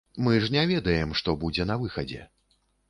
Мы ж не ведаем, што будзе на выхадзе.